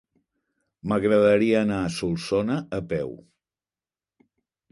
M'agradaria anar a Solsona a peu.